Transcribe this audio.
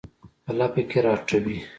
په لپه کې راټوي